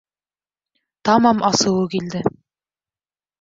Тамам асыуы килде.